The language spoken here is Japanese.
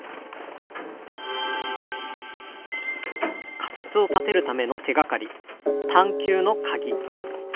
仮説を立てるための手がかり